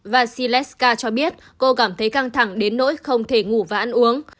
vasileska cho biết cô cảm thấy căng thẳng đến nỗi không thể ngủ và ăn uống